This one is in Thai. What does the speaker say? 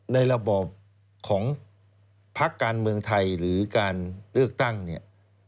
ระบอบของพักการเมืองไทยหรือการเลือกตั้งเนี่ย